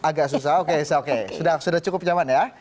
agak susah oke sudah cukup nyaman ya